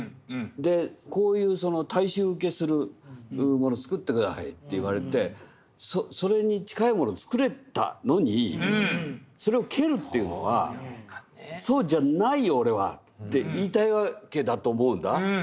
でこういう大衆受けするもの作って下さいって言われてそれに近いものを作れたのにそれを蹴るっていうのはそうじゃないよ俺はって言いたいわけだと思うんだ。